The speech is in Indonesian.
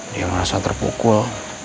dia merasa terpukul